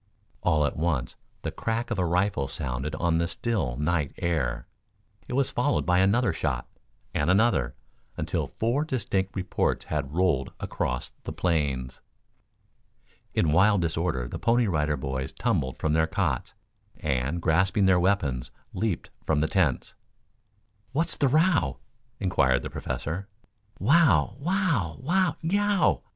All at once the crack of a rifle sounded on the still night air. It was followed by another shot, and another, until four distinct reports had rolled across the plains. In wild disorder the Pony Rider Boys tumbled from their cots, and, grasping their weapons, leaped from the tents. "What's the row?" inquired the Professor. "Wow! Wow! Wow! Yeow!"